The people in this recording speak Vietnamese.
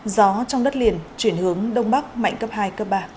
gió trong đất liền chuyển hướng đông bắc mạnh cấp hai cấp ba